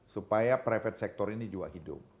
supaya private sector ini juga hidup